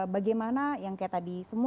bagaimana yang kayak tadi semua